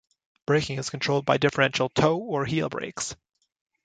Braking is controlled by differential toe or heel brakes.